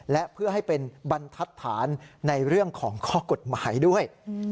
และเพื่อให้เป็นบรรทัศน์ในเรื่องของข้อกฎหมายด้วย